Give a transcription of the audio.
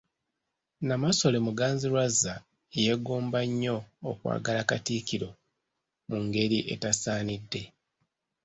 Nnamasole Muganzirwazza yeegomba nnyo okwagala Katikkiro mu ngeri etasaanidde.